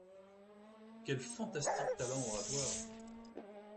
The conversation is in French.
Quel fantastique talent oratoire !